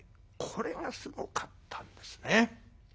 これがすごかったんですね。